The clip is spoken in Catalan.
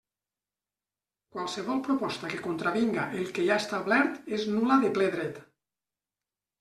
Qualsevol proposta que contravinga el que hi ha establert és nul·la de ple dret.